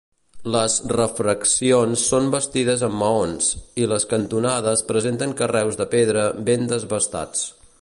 Les refeccions són bastides amb maons i les cantonades presenten carreus de pedra ben desbastats.